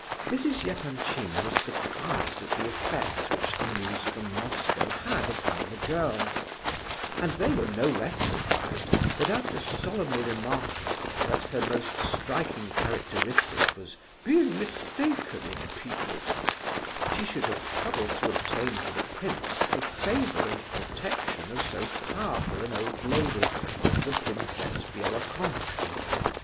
Mrs. Epanchin was surprised at the effect which the news from Moscow had upon the girls, and they were no less surprised that after solemnly remarking that her most striking characteristic was "being mistaken in people" she should have troubled to obtain for the prince the favour and protection of so powerful an old lady as the Princess Bielokonski.